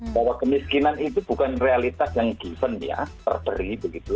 bahwa kemiskinan itu bukan realitas yang given ya terberi begitu